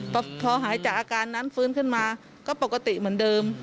พอหายจากอาการนั้นฟื้นขึ้นมาก็ปกติเหมือนเดิม